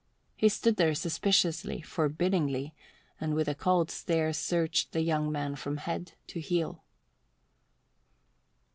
He stood there suspiciously, forbiddingly, and with a cold stare searched the young man from head to heel.